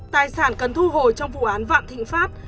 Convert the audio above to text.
tài sản cần thu hồi trong vụ án vạn thịnh pháp